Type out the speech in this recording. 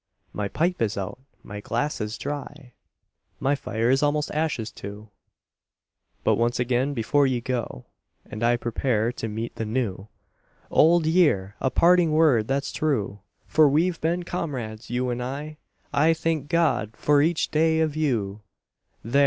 My pipe is out, my glass is dry; My fire is almost ashes too; But once again, before you go, And I prepare to meet the New: Old Year! a parting word that's true, For we've been comrades, you and I — I THANK GOD FOR EACH DAY OF YOU; There!